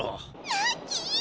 ラッキー！